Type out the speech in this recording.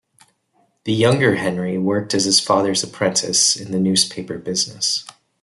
The younger Henry worked as his father's apprentice in the newspaper business.